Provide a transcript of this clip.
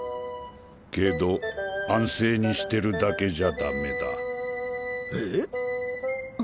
けど安静にしてるだけじゃダメだ。え？